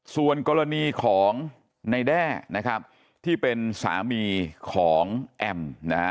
ส่วนกรณีของในแด้นะครับที่เป็นสามีของแอมนะฮะ